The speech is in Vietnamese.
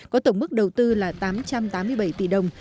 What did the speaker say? có tổng mức đầu tư là tám trăm tám mươi bảy tỷ đồng